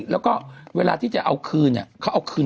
แล้วก็เวลาที่จะเอาคืน